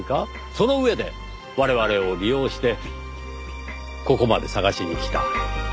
その上で我々を利用してここまで捜しに来た。